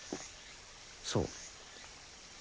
そう。